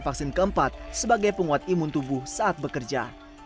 vaksin keempat sebagai penguat imun tubuh saat bekerja